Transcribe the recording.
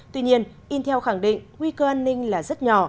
tuy nhiên intel khẳng định nguy cơ an ninh là rất nhỏ